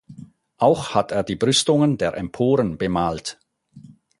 Auch hat er die Brüstungen der Emporen bemalt.